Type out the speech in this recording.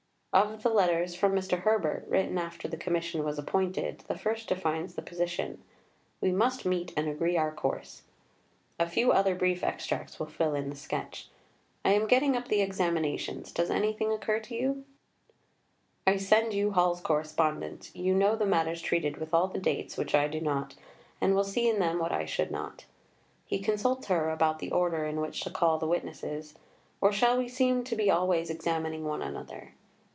Of the letters from Mr. Herbert, written after the Commission was appointed, the first defines the position: "We must meet and agree our course." A few other brief extracts will fill in the sketch. "I am getting up the examinations; does anything occur to you?" "I send you Hall's correspondence. You know the matters treated with all the dates which I do not, and will see in them what I should not." He consults her about the order in which to call the witnesses, "or we shall seem to be always examining one another."